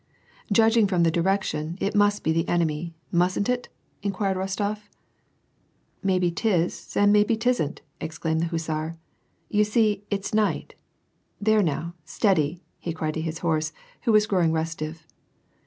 " Judging from the direction, it must be the enemy, mustn't it ?" inquired Rostof. " Maybe 'tis, and maybe t'isn't," exclaimed the hussar. " You see it's night. There now, steady," he cried to his horse, who was growing restive.